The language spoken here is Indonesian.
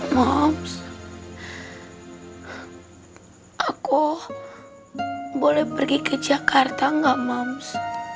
mams aku boleh pergi ke jakarta enggak mams